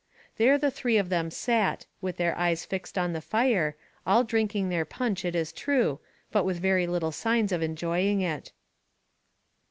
There the three of them sat, with their eyes fixed on the fire, all drinking their punch, it is true, but with very little signs of enjoying it.